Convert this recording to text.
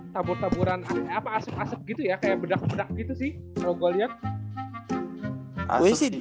tabur taburan apa asep asep gitu ya kayak bedak bedak gitu sih kalau gue liat